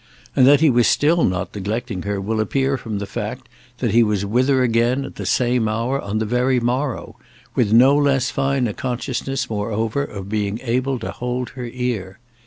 And that he was still not neglecting her will appear from the fact that he was with her again at the same hour on the very morrow—with no less fine a consciousness moreover of being able to hold her ear.